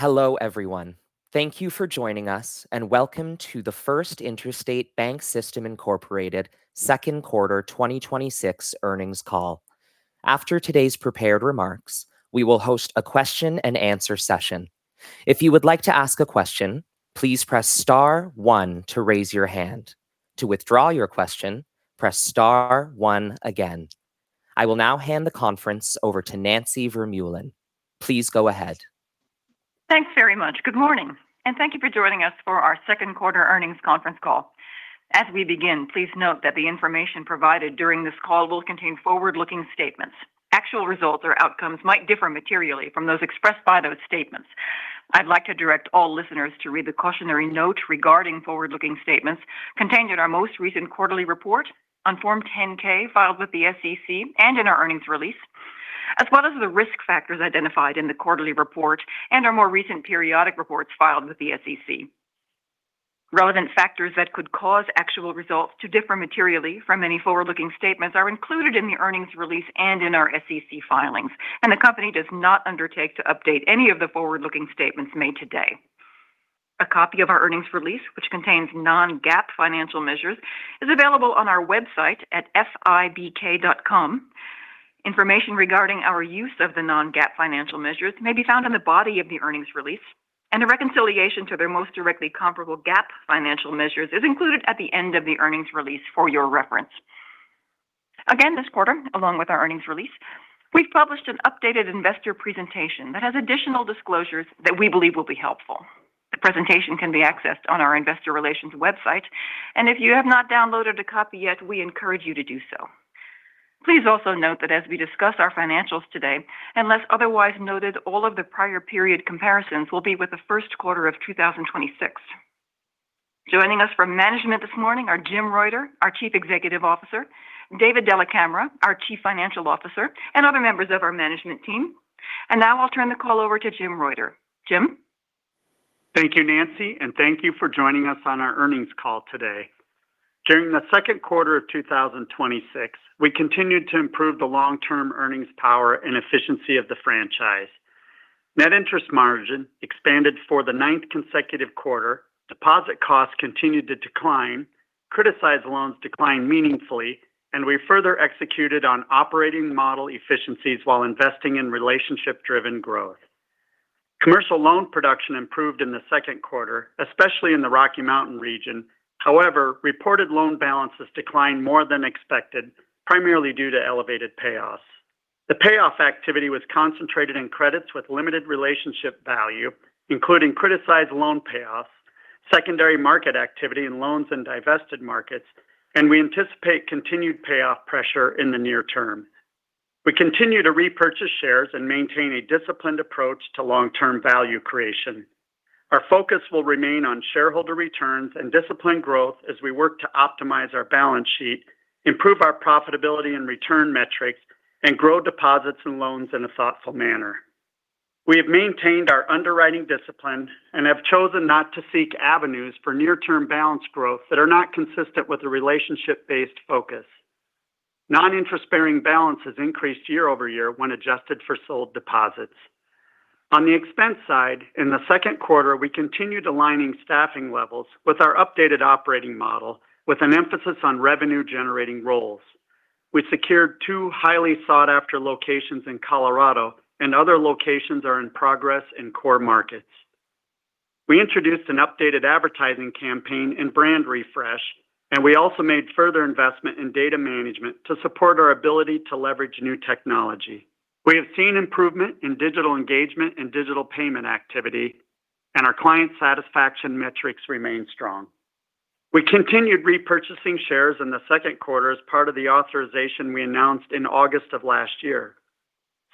Hello, everyone. Thank you for joining us, and welcome to the First Interstate BancSystem, Inc. Incorporated second quarter 2026 earnings call. After today's prepared remarks, we will host a question and answer session. If you would like to ask a question, please press star one to raise your hand. To withdraw your question, press star one again. I will now hand the conference over to Nancy Vermeulen. Please go ahead. Thanks very much. Good morning. Thank you for joining us for our second quarter earnings conference call. As we begin, please note that the information provided during this call will contain forward-looking statements. Actual results or outcomes might differ materially from those expressed by those statements. I'd like to direct all listeners to read the cautionary note regarding forward-looking statements contained in our most recent quarterly report on Form 10-K filed with the SEC and in our earnings release, as well as the risk factors identified in the quarterly report and our more recent periodic reports filed with the SEC. Relevant factors that could cause actual results to differ materially from any forward-looking statements are included in the earnings release and in our SEC filings. The company does not undertake to update any of the forward-looking statements made today. A copy of our earnings release, which contains non-GAAP financial measures, is available on our website at fibk.com. Information regarding our use of the non-GAAP financial measures may be found in the body of the earnings release. A reconciliation to their most directly comparable GAAP financial measures is included at the end of the earnings release for your reference. Again, this quarter, along with our earnings release, we've published an updated investor presentation that has additional disclosures that we believe will be helpful. The presentation can be accessed on our investor relations website. If you have not downloaded a copy yet, we encourage you to do so. Please also note that as we discuss our financials today, unless otherwise noted, all of the prior period comparisons will be with the first quarter of 2026. Joining us from management this morning are Jim Reuter, our Chief Executive Officer, David Della Camera, our Chief Financial Officer, and other members of our management team. Now I'll turn the call over to Jim Reuter. Jim? Thank you, Nancy. Thank you for joining us on our earnings call today. During the second quarter of 2026, we continued to improve the long-term earnings power and efficiency of the franchise. Net interest margin expanded for the ninth consecutive quarter. Deposit costs continued to decline. Criticized loans declined meaningfully, and we further executed on operating model efficiencies while investing in relationship-driven growth. Commercial loan production improved in the second quarter, especially in the Rocky Mountain region. However, reported loan balances declined more than expected, primarily due to elevated payoffs. The payoff activity was concentrated in credits with limited relationship value, including criticized loan payoffs, secondary market activity in loans in divested markets, and we anticipate continued payoff pressure in the near term. We continue to repurchase shares and maintain a disciplined approach to long-term value creation. Our focus will remain on shareholder returns and disciplined growth as we work to optimize our balance sheet, improve our profitability and return metrics, and grow deposits and loans in a thoughtful manner. We have maintained our underwriting discipline and have chosen not to seek avenues for near-term balance growth that are not consistent with a relationship-based focus. Non-interest-bearing balance has increased year-over-year when adjusted for sold deposits. On the expense side, in the second quarter, we continued aligning staffing levels with our updated operating model with an emphasis on revenue-generating roles. We secured two highly sought-after locations in Colorado, and other locations are in progress in core markets. We introduced an updated advertising campaign and brand refresh, and we also made further investment in data management to support our ability to leverage new technology. We have seen improvement in digital engagement and digital payment activity, and our client satisfaction metrics remain strong. We continued repurchasing shares in the second quarter as part of the authorization we announced in August of last year.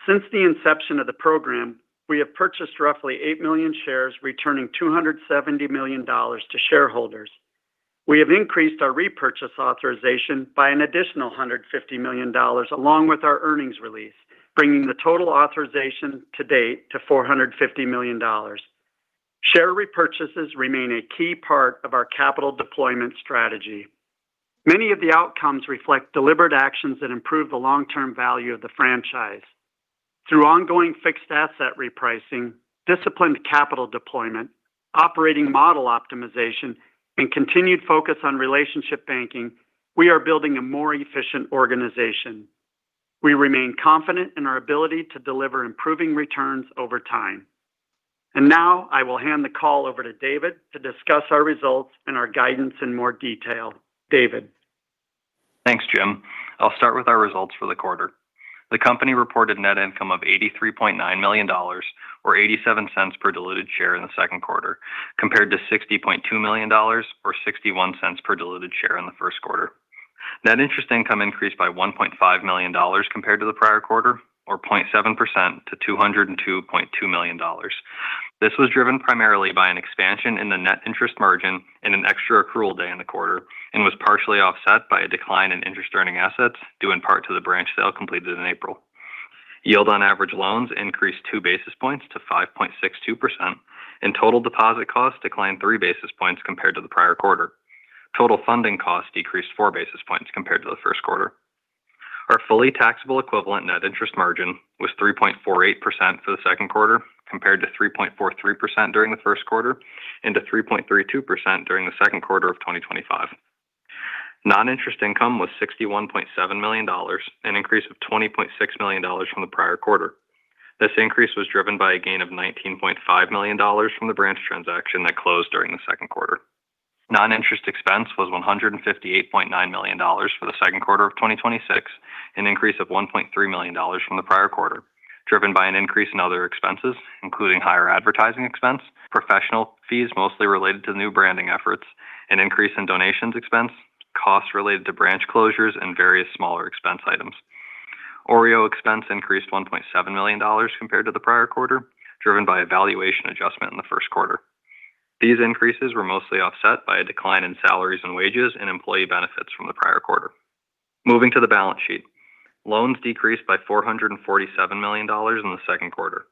Since the inception of the program, we have purchased roughly 8 million shares, returning $270 million to shareholders. We have increased our repurchase authorization by an additional $150 million along with our earnings release, bringing the total authorization to date to $450 million. Share repurchases remain a key part of our capital deployment strategy. Many of the outcomes reflect deliberate actions that improve the long-term value of the franchise. Through ongoing fixed asset repricing, disciplined capital deployment, operating model optimization, and continued focus on relationship banking, we are building a more efficient organization. We remain confident in our ability to deliver improving returns over time. Now I will hand the call over to David to discuss our results and our guidance in more detail. David? Thanks, Jim. I'll start with our results for the quarter. The company reported net income of $83.9 million, or $0.87 per diluted share in the second quarter, compared to $60.2 million or $0.61 per diluted share in the first quarter. Net interest income increased by $1.5 million compared to the prior quarter, or 0.7% to $202.2 million. This was driven primarily by an expansion in the net interest margin and an extra accrual day in the quarter, and was partially offset by a decline in interest-earning assets due in part to the branch sale completed in April. Yield on average loans increased two basis points to 5.62%, and total deposit costs declined three basis points compared to the prior quarter. Total funding costs decreased four basis points compared to the first quarter. Our fully taxable equivalent net interest margin was 3.48% for the second quarter, compared to 3.43% during the first quarter and to 3.32% during the second quarter of 2025. Non-interest income was $61.7 million, an increase of $20.6 million from the prior quarter. This increase was driven by a gain of $19.5 million from the branch transaction that closed during the second quarter. Non-interest expense was $158.9 million for the second quarter of 2026, an increase of $1.3 million from the prior quarter, driven by an increase in other expenses, including higher advertising expense, professional fees, mostly related to new branding efforts, an increase in donations expense, costs related to branch closures, and various smaller expense items. OREO expense increased $1.7 million compared to the prior quarter, driven by a valuation adjustment in the first quarter. These increases were mostly offset by a decline in salaries and wages and employee benefits from the prior quarter. Moving to the balance sheet. Loans decreased by $447 million in the second quarter.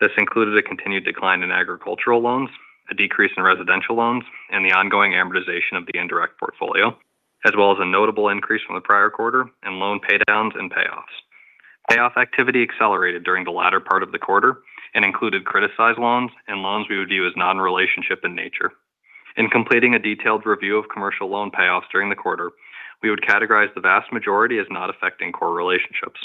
This included a continued decline in agricultural loans, a decrease in residential loans, and the ongoing amortization of the indirect portfolio, as well as a notable increase from the prior quarter in loan paydowns and payoffs. Payoff activity accelerated during the latter part of the quarter and included criticized loans and loans we would view as non-relationship in nature. In completing a detailed review of commercial loan payoffs during the quarter, we would categorize the vast majority as not affecting core relationships.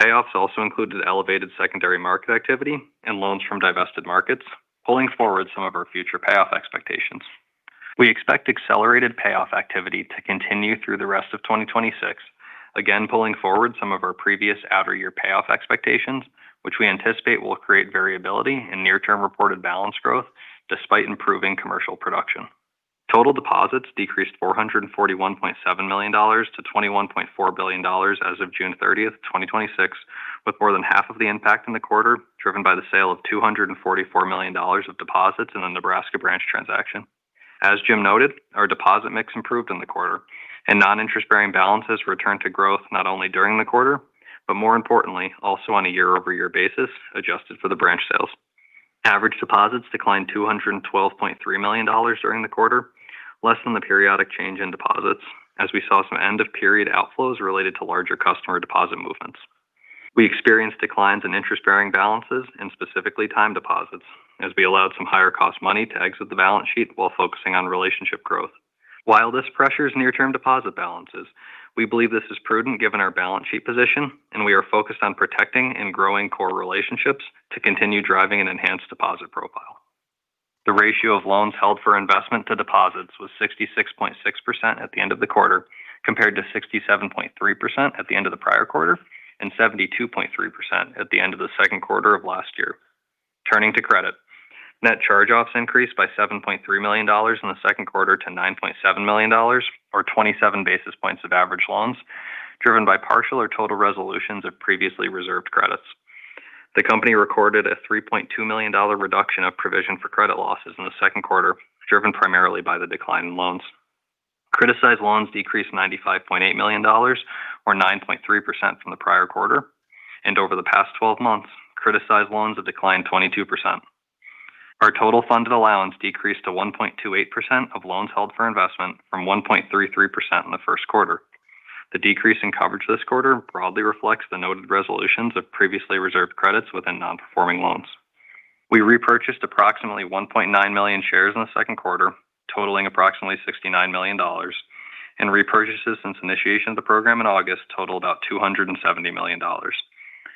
Payoffs also included elevated secondary market activity and loans from divested markets, pulling forward some of our future payoff expectations. We expect accelerated payoff activity to continue through the rest of 2026, again pulling forward some of our previous out-of-year payoff expectations, which we anticipate will create variability in near-term reported balance growth despite improving commercial production. Total deposits decreased $441.7 million to $21.4 billion as of June 30th, 2026, with more than half of the impact in the quarter driven by the sale of $244 million of deposits in the Nebraska branch transaction. As Jim noted, our deposit mix improved in the quarter, and non-interest-bearing balances returned to growth not only during the quarter, but more importantly, also on a year-over-year basis, adjusted for the branch sales. Average deposits declined $212.3 million during the quarter, less than the periodic change in deposits, as we saw some end-of-period outflows related to larger customer deposit movements. We experienced declines in interest-bearing balances and specifically time deposits, as we allowed some higher-cost money to exit the balance sheet while focusing on relationship growth. While this pressures near-term deposit balances, we believe this is prudent given our balance sheet position, and we are focused on protecting and growing core relationships to continue driving an enhanced deposit profile. The ratio of loans held for investment to deposits was 66.6% at the end of the quarter, compared to 67.3% at the end of the prior quarter and 72.3% at the end of the second quarter of last year. Turning to credit. Net charge-offs increased by $7.3 million in the second quarter to $9.7 million, or 27 basis points of average loans, driven by partial or total resolutions of previously reserved credits. The company recorded a $3.2 million reduction of provision for credit losses in the second quarter, driven primarily by the decline in loans. Criticized loans decreased $95.8 million, or 9.3% from the prior quarter, and over the past 12 months, criticized loans have declined 22%. Our total funded allowance decreased to 1.28% of loans held for investment from 1.33% in the first quarter. The decrease in coverage this quarter broadly reflects the noted resolutions of previously reserved credits within non-performing loans. We repurchased approximately 1.9 million shares in the second quarter, totaling approximately $69 million, and repurchases since initiation of the program in August totaled about $270 million.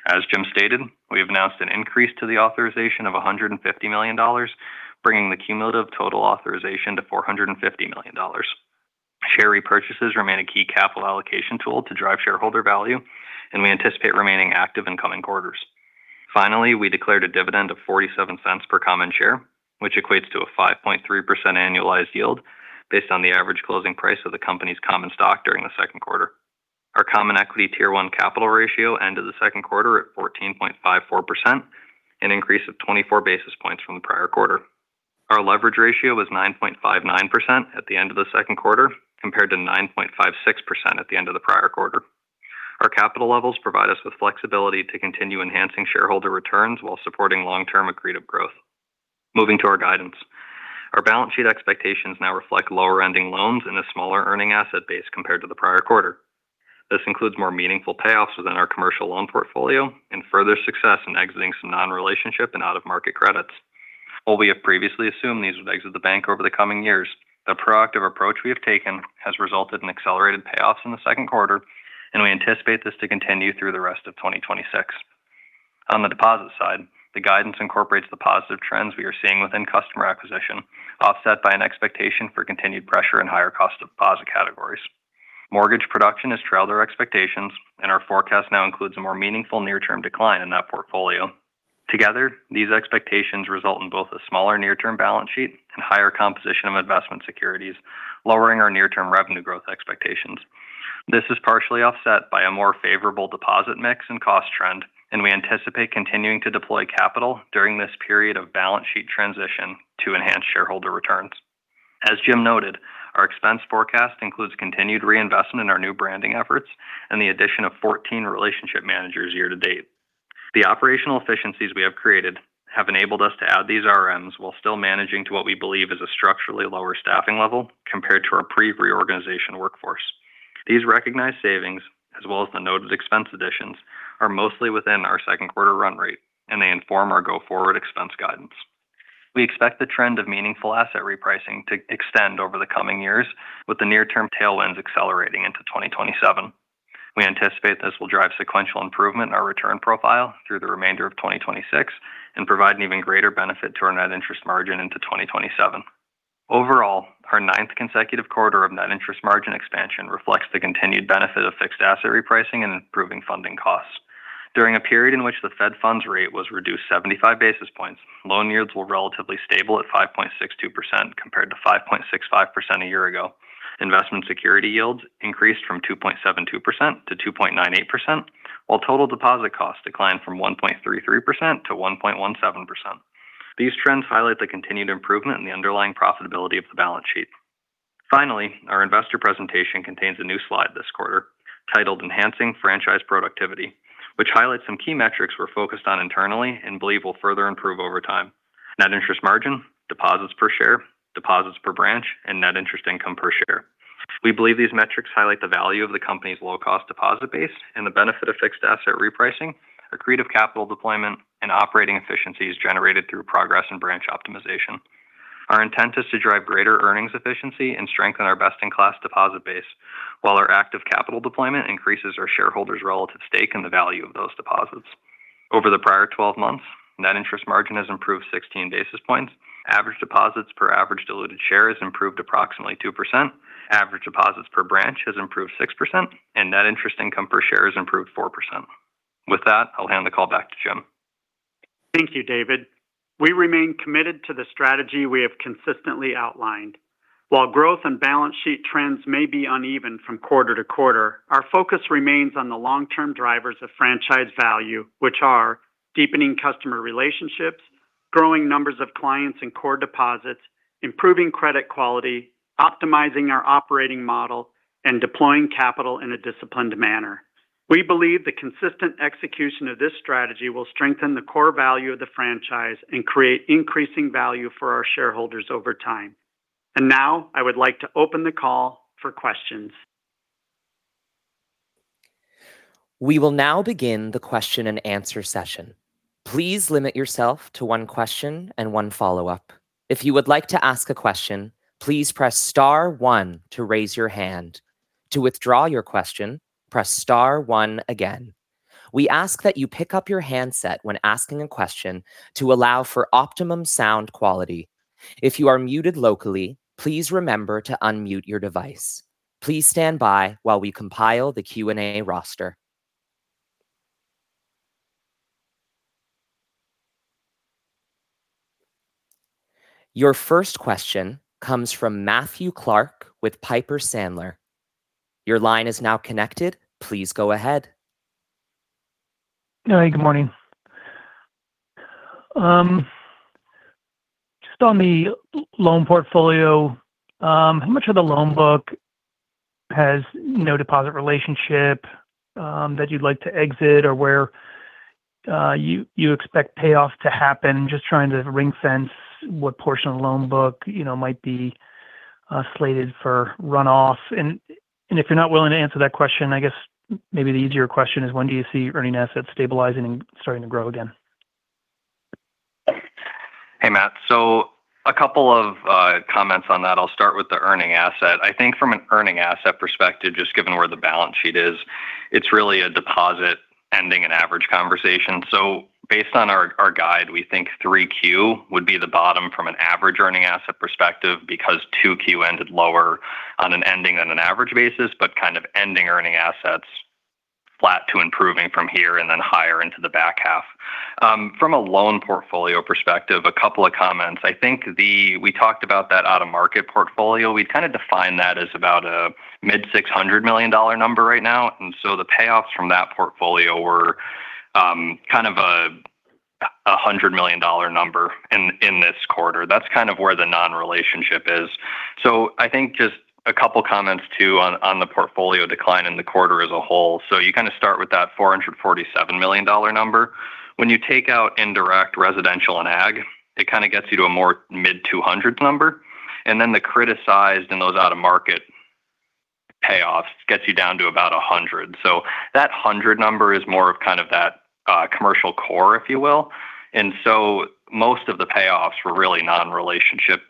As Jim stated, we have announced an increase to the authorization of $150 million, bringing the cumulative total authorization to $450 million. Share repurchases remain a key capital allocation tool to drive shareholder value, and we anticipate remaining active in coming quarters. Finally, we declared a dividend of $0.47 per common share, which equates to a 5.3% annualized yield based on the average closing price of the company's common stock during the second quarter. Our Common Equity Tier 1 capital ratio ended the second quarter at 14.54%, an increase of 24 basis points from the prior quarter. Our leverage ratio was 9.59% at the end of the second quarter, compared to 9.56% at the end of the prior quarter. Our capital levels provide us with flexibility to continue enhancing shareholder returns while supporting long-term accretive growth. Moving to our guidance. Our balance sheet expectations now reflect lower-ending loans and a smaller earning asset base compared to the prior quarter. This includes more meaningful payoffs within our commercial loan portfolio and further success in exiting some non-relationship and out-of-market credits. While we have previously assumed these would exit the bank over the coming years, the proactive approach we have taken has resulted in accelerated payoffs in the second quarter, and we anticipate this to continue through the rest of 2026. On the deposit side, the guidance incorporates the positive trends we are seeing within customer acquisition, offset by an expectation for continued pressure in higher cost of deposit categories. Mortgage production has trailed our expectations, and our forecast now includes a more meaningful near-term decline in that portfolio. Together, these expectations result in both a smaller near-term balance sheet and higher composition of investment securities, lowering our near-term revenue growth expectations. This is partially offset by a more favorable deposit mix and cost trend, and we anticipate continuing to deploy capital during this period of balance sheet transition to enhance shareholder returns. As Jim noted, our expense forecast includes continued reinvestment in our new branding efforts and the addition of 14 relationship managers year to date. The operational efficiencies we have created have enabled us to add these RMs while still managing to what we believe is a structurally lower staffing level compared to our pre-reorganization workforce. These recognized savings, as well as the noted expense additions, are mostly within our second quarter run rate. They inform our go-forward expense guidance. We expect the trend of meaningful asset repricing to extend over the coming years, with the near-term tailwinds accelerating into 2027. We anticipate this will drive sequential improvement in our return profile through the remainder of 2026, provide an even greater benefit to our net interest margin into 2027. Overall, our ninth consecutive quarter of net interest margin expansion reflects the continued benefit of fixed asset repricing and improving funding costs. During a period in which the Fed funds rate was reduced 75 basis points, loan yields were relatively stable at 5.62% compared to 5.65% a year ago. Investment security yields increased from 2.72% to 2.98%, while total deposit costs declined from 1.33% to 1.17%. These trends highlight the continued improvement in the underlying profitability of the balance sheet. Finally, our investor presentation contains a new slide this quarter titled Enhancing Franchise Productivity, which highlights some key metrics we're focused on internally and believe will further improve over time, net interest margin, deposits per share, deposits per branch, and net interest income per share. We believe these metrics highlight the value of the company's low-cost deposit base and the benefit of fixed asset repricing, accretive capital deployment, and operating efficiencies generated through progress in branch optimization. Our intent is to drive greater earnings efficiency and strengthen our best-in-class deposit base, while our active capital deployment increases our shareholders' relative stake in the value of those deposits. Over the prior 12 months, net interest margin has improved 16 basis points, average deposits per average diluted share has improved approximately 2%, average deposits per branch has improved 6%, and net interest income per share has improved 4%. With that, I'll hand the call back to Jim. Thank you, David. We remain committed to the strategy we have consistently outlined. While growth and balance sheet trends may be uneven from quarter to quarter, our focus remains on the long-term drivers of franchise value, which are deepening customer relationships, growing numbers of clients and core deposits, improving credit quality, optimizing our operating model, and deploying capital in a disciplined manner. We believe the consistent execution of this strategy will strengthen the core value of the franchise and create increasing value for our shareholders over time. Now I would like to open the call for questions. We will now begin the question-and-nswer session. Please limit yourself to one question and one follow-up. If you would like to ask a question, please press star one to raise your hand. To withdraw your question, press star one again. We ask that you pick up your handset when asking a question to allow for optimum sound quality. If you are muted locally, please remember to unmute your device. Please stand by while we compile the Q&A roster. Your first question comes from Matthew Clark with Piper Sandler. Your line is now connected. Please go ahead. Hey, good morning. Just on the loan portfolio, how much of the loan book has no deposit relationship that you'd like to exit, or where you expect payoffs to happen? Just trying to ring-fence what portion of loan book might be slated for runoff. If you're not willing to answer that question, I guess maybe the easier question is when do you see earning assets stabilizing and starting to grow again? Hey, Matthew. A couple of comments on that. I'll start with the earning asset. I think from an earning asset perspective, just given where the balance sheet is, it's really a deposit ending an average conversation. Based on our guide, we think 3Q would be the bottom from an average earning asset perspective because 2Q ended lower on an ending on an average basis, but kind of ending earning assets flat to improving from here and then higher into the back half. From a loan portfolio perspective, a couple of comments. I think we talked about that out-of-market portfolio. We kind of define that as about a mid $600 million number right now, and the payoffs from that portfolio were kind of a $100 million number in this quarter. That's kind of where the non-relationship is. I think just a couple of comments too on the portfolio decline in the quarter as a whole. You kind of start with that $447 million number. When you take out indirect residential and ag, it kind of gets you to a more mid $200s number, and then the criticized and those out-of-market payoffs gets you down to about $100. That $100 number is more of, kind of that commercial core, if you will. Most of the payoffs were really non-relationship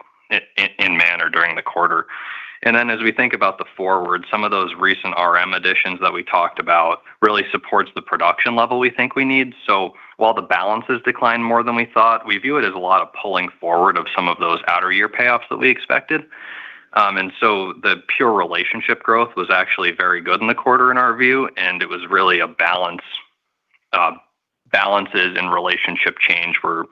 in manner during the quarter. As we think about the forward, some of those recent RM additions that we talked about really supports the production level we think we need. While the balances declined more than we thought, we view it as a lot of pulling forward of some of those outer year payoffs that we expected. The pure relationship growth was actually very good in the quarter in our view, and it was really balances in relationship change were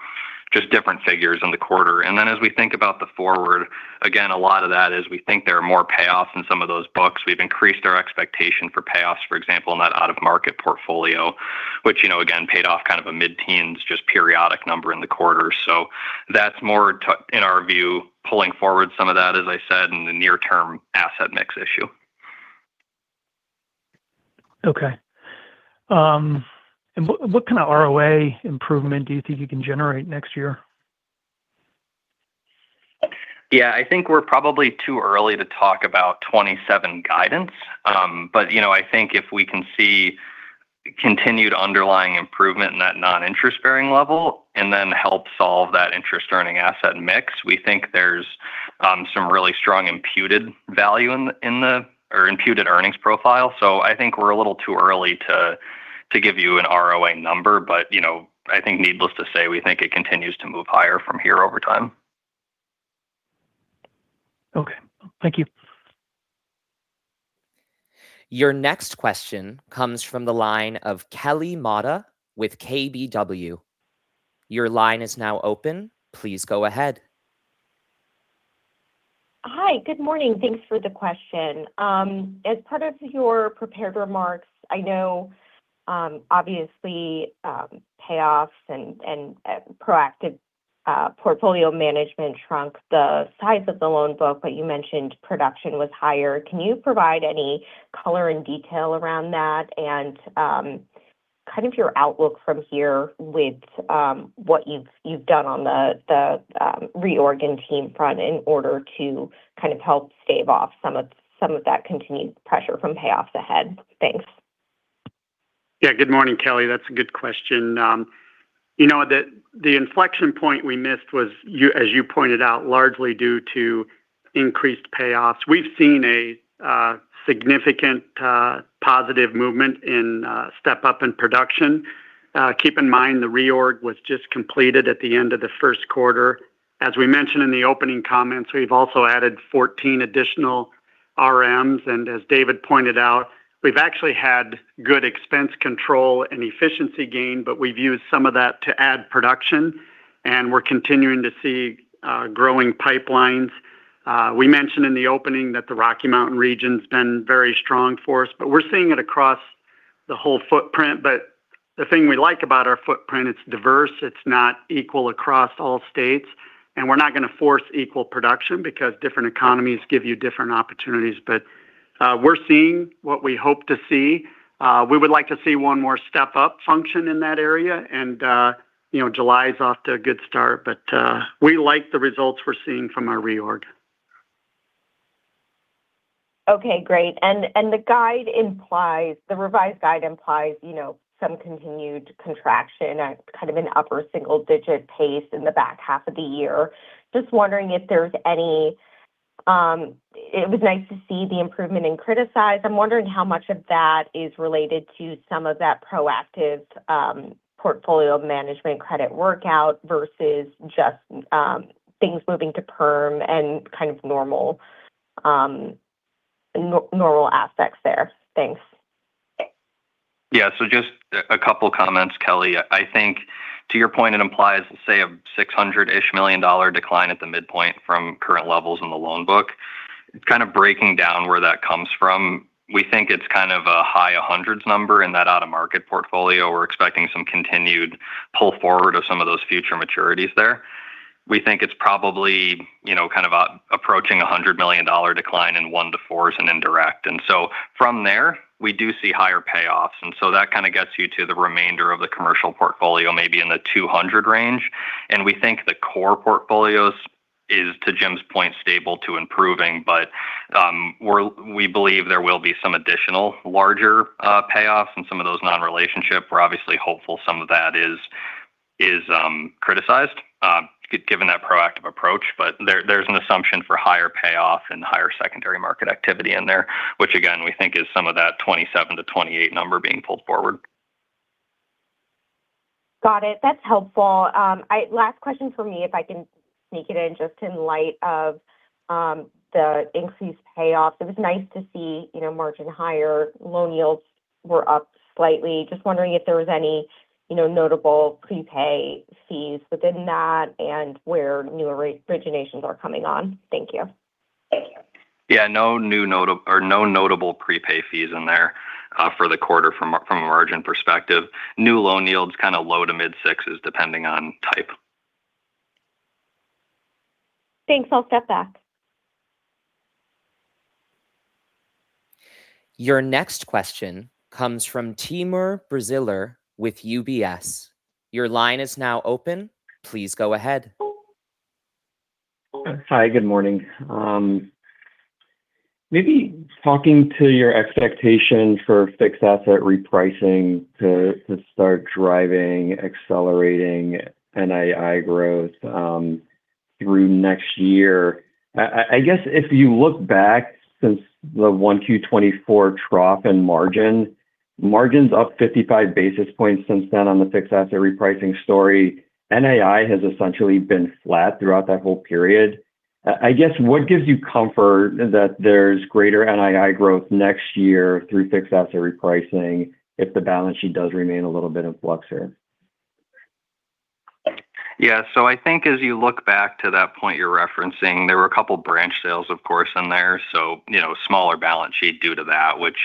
just different figures in the quarter. Then as we think about the forward, again, a lot of that is we think there are more payoffs in some of those books. We've increased our expectation for payoffs, for example, in that out-of-market portfolio, which again, paid off kind of a mid-teens, just periodic number in the quarter. That's more to, in our view, pulling forward some of that, as I said, in the near term asset mix. Okay. What kind of ROA improvement do you think you can generate next year? Yeah, I think we're probably too early to talk about 2027 guidance. I think if we can see continued underlying improvement in that non-interest bearing level and then help solve that interest-earning asset mix, we think there's some really strong imputed value in the imputed earnings profile. I think we're a little too early to give you an ROA number. I think needless to say, we think it continues to move higher from here over time. Okay. Thank you. Your next question comes from the line of Kelly Motta with KBW. Your line is now open. Please go ahead. Hi. Good morning. Thanks for the question. As part of your prepared remarks, I know obviously payoffs and proactive portfolio management shrunk the size of the loan book, but you mentioned production was higher. Can you provide any color and detail around that and kind of your outlook from here with what you've done on the reorg team front in order to kind of help stave off some of that continued pressure from payoffs ahead? Thanks. Good morning, Kelly. That's a good question. The inflection point we missed was, as you pointed out, largely due to increased payoffs. We've seen a significant positive movement in step-up in production. Keep in mind, the reorg was just completed at the end of the first quarter. As we mentioned in the opening comments, we've also added 14 additional RMs, and as David pointed out, we've actually had good expense control and efficiency gain, but we've used some of that to add production, and we're continuing to see growing pipelines. We mentioned in the opening that the Rocky Mountain region's been very strong for us, but we're seeing it across the whole footprint. The thing we like about our footprint, it's diverse. It's not equal across all states, and we're not going to force equal production because different economies give you different opportunities. We're seeing what we hope to see. We would like to see one more step-up function in that area. July is off to a good start, we like the results we're seeing from our reorg. Okay. Great. The revised guide implies some continued contraction at kind of an upper single-digit pace in the back half of the year. Just wondering if it was nice to see the improvement in criticized. I'm wondering how much of that is related to some of that proactive portfolio management credit workout versus just things moving to perm and kind of normal aspects there. Thanks. Yeah. Just a couple of comments, Kelly. I think to your point, it implies, say, a $600-ish million decline at the midpoint from current levels in the loan book. Kind of breaking down where that comes from, we think it's kind of a high 100s number in that out-of-market portfolio. We're expecting some continued pull forward of some of those future maturities there. We think it's probably kind of approaching $100 million decline in 1 to 4s and indirect. From there, we do see higher payoffs, that kind of gets you to the remainder of the commercial portfolio, maybe in the $200 range. We think the core portfolios is, to Jim's point, stable to improving. We believe there will be some additional larger payoffs in some of those non-relationship. We're obviously hopeful some of that is criticized given that proactive approach. There's an assumption for higher payoff and higher secondary market activity in there, which again, we think is some of that 27-28 number being pulled forward. Got it. That's helpful. Last question from me, if I can sneak it in. Just in light of the increased payoffs, it was nice to see margin higher. Loan yields were up slightly. Just wondering if there was any notable prepay fees within that and where new originations are coming on. Thank you. Yeah. No notable prepay fees in there for the quarter from a margin perspective. New loan yields kind of low to mid-sixes depending on type. Thanks. I'll step back. Your next question comes from Timur Braziler with UBS. Your line is now open. Please go ahead. Hi. Good morning. Maybe talking to your expectation for fixed asset repricing to start driving, accelerating NII growth through next year. I guess if you look back since the 1Q24 trough in margin's up 55 basis points since then on the fixed asset repricing story. NII has essentially been flat throughout that whole period. I guess, what gives you comfort that there's greater NII growth next year through fixed asset repricing if the balance sheet does remain a little bit in flux here? Yeah. I think as you look back to that point you're referencing, there were a couple branch sales, of course, in there, so a smaller balance sheet due to that which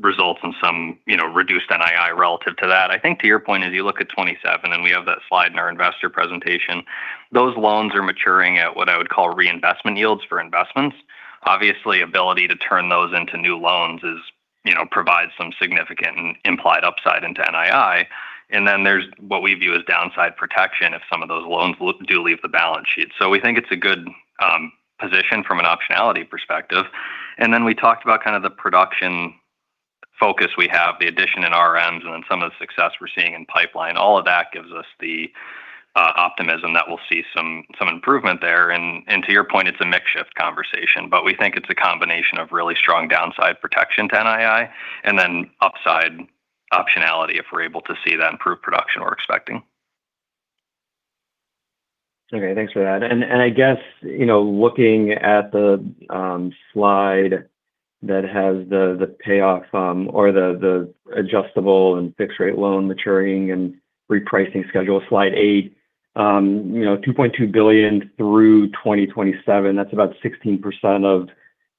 results in some reduced NII relative to that. I think to your point, as you look at 2027, We have that slide in our investor presentation, those loans are maturing at what I would call reinvestment yields for investments. Obviously, ability to turn those into new loans provides some significant implied upside into NII. There's what we view as downside protection if some of those loans do leave the balance sheet. We think it's a good position from an optionality perspective. We talked about the production focus we have, the addition in RMs, and then some of the success we're seeing in pipeline. All of that gives us the optimism that we'll see some improvement there. To your point, it's a mix shift conversation. We think it's a combination of really strong downside protection to NII, upside optionality if we're able to see that improved production we're expecting. Okay, thanks for that. I guess, looking at the slide that has the payoff or the adjustable and fixed-rate loan maturing and repricing schedule, slide eight. $2.2 billion through 2027, that's about 16% of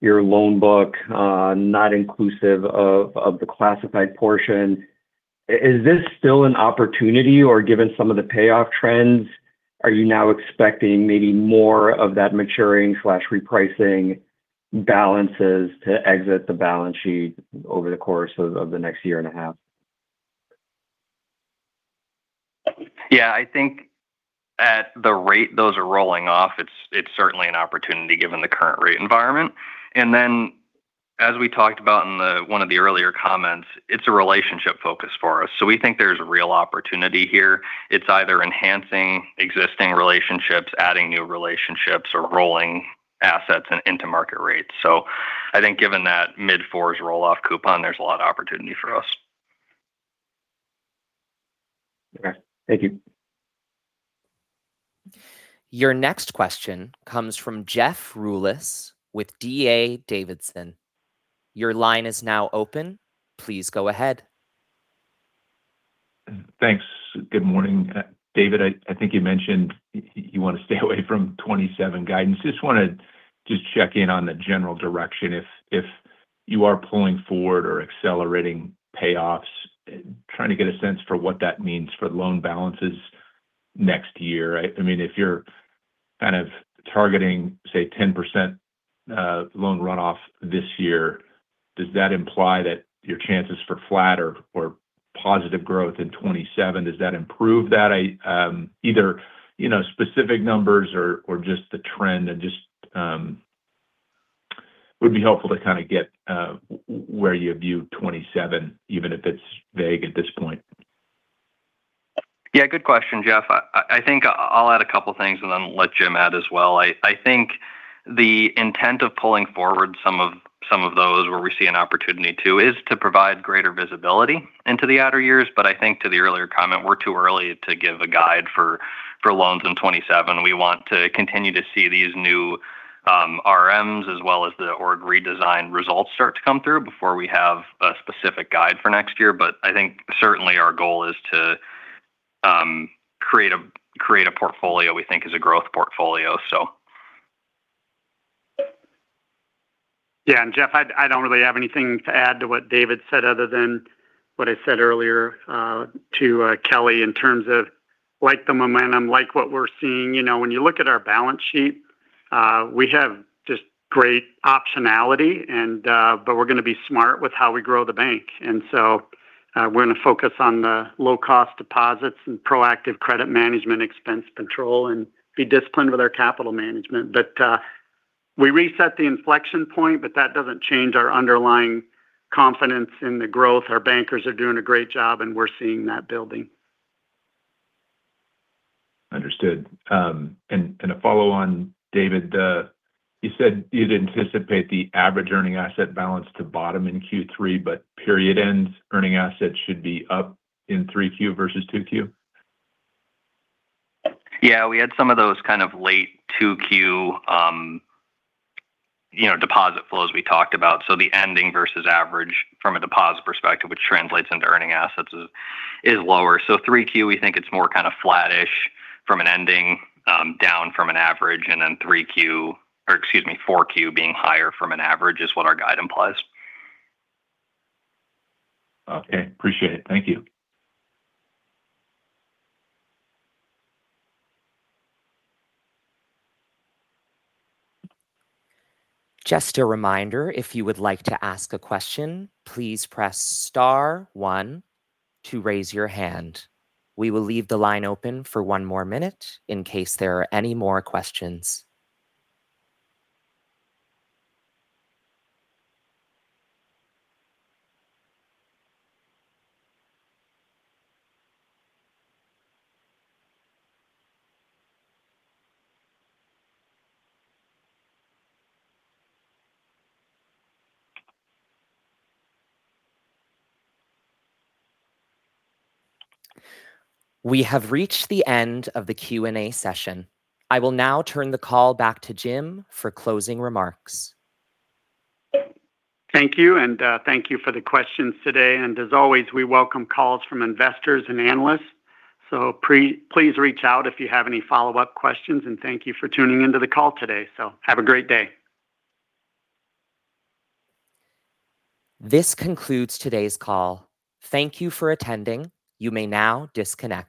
your loan book, not inclusive of the classified portion. Is this still an opportunity? Given some of the payoff trends, are you now expecting maybe more of that maturing/repricing balances to exit the balance sheet over the course of the next year and a half? Yeah, I think at the rate those are rolling off, it's certainly an opportunity given the current rate environment. As we talked about in one of the earlier comments, it's a relationship focus for us. We think there's a real opportunity here. It's either enhancing existing relationships, adding new relationships, or rolling assets into market rates. I think given that mid-fours roll-off coupon, there's a lot of opportunity for us. Okay. Thank you. Your next question comes from Jeff Rulis with D.A. Davidson. Your line is now open. Please go ahead. Thanks. Good morning. David, I think you mentioned you want to stay away from 2027 guidance. Just wanted to just check in on the general direction if you are pulling forward or accelerating payoffs. Trying to get a sense for what that means for loan balances next year. If you're kind of targeting, say, 10% loan runoff this year, does that imply that your chances for flat or positive growth in 2027, does that improve that? Either specific numbers or just the trend and just would be helpful to kind of get where you view 2027, even if it's vague at this point. Yeah, good question, Jeff. I think I'll add a couple things and then let Jim add as well. I think the intent of pulling forward some of those where we see an opportunity too is to provide greater visibility into the outer years. I think to the earlier comment, we're too early to give a guide for loans in 2027. We want to continue to see these new RMs as well as the org redesign results start to come through before we have a specific guide for next year. I think certainly our goal is to create a portfolio we think is a growth portfolio. Yeah, Jeff, I don't really have anything to add to what David said other than what I said earlier to Kelly in terms of like the momentum, like what we're seeing. When you look at our balance sheet, we have just great optionality but we're going to be smart with how we grow the bank. We're going to focus on the low-cost deposits and proactive credit management expense control, and be disciplined with our capital management. We reset the inflection point, but that doesn't change our underlying confidence in the growth. Our bankers are doing a great job, and we're seeing that building. Understood. A follow-on, David. You said you'd anticipate the average earning asset balance to bottom in Q3, but period-end earning assets should be up in three Q versus two Q? Yeah, we had some of those kind of late two Q deposit flows we talked about. The ending versus average from a deposit perspective, which translates into earning assets, is lower. Three Q, we think it's more kind of flattish from an ending down from an average, and then three Q, or excuse me, four Q being higher from an average is what our guide implies. Okay. Appreciate it. Thank you. Just a reminder, if you would like to ask a question, please press star one to raise your hand. We will leave the line open for one more minute in case there are any more questions. We have reached the end of the Q&A session. I will now turn the call back to Jim for closing remarks. Thank you, and thank you for the questions today. As always, we welcome calls from investors and analysts. Please reach out if you have any follow-up questions, and thank you for tuning into the call today. Have a great day. This concludes today's call. Thank you for attending. You may now disconnect.